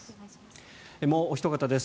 もうおひと方です。